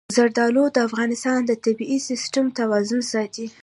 زردالو د افغانستان د طبعي سیسټم توازن ساتي.